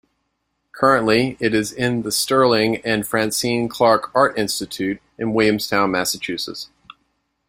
Currently it is in the Sterling and Francine Clark Art Institute in Williamstown, Massachusetts.